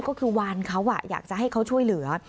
ก็คือวานเขาอยากจะให้เขาช่วยเหลือ